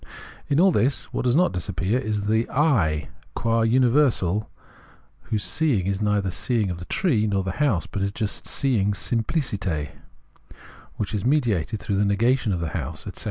In all this, what does not disappear is the I qua universal, whose seeing is neither the seeing of this tree nor of this house, but just seeing simpliciter, which is mediated through the negation of this house, etc.